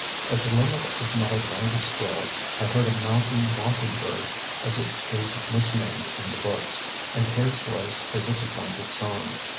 At the limit of my longest stroll I heard a mountain mocking bird, as it is misnamed in the books, and his was a disappointed song.